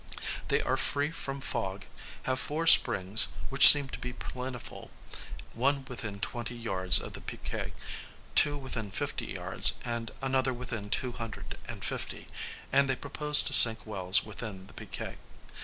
They are free from fog, have four springs which seem to be plentiful, one within twenty yards of the piquet, two within fifty yards, and another within two hundred and fifty, and they propose to sink wells within the piquet.